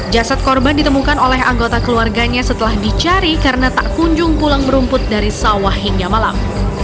jasad korban ditemukan oleh anggota keluarganya setelah dicari karena tak kunjung pulang berumput dari sawah hingga malam